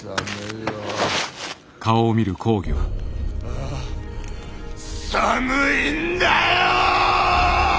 ああ寒いんだよ！